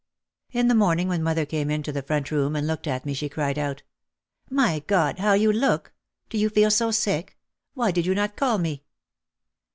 In the morning when mother came into the front room and looked at me she cried out, "My God, how you look ! Do you feel so sick? Why did you not call me?"